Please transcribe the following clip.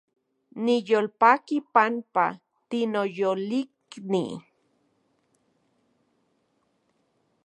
Niyolpaki panpa tinoyolikni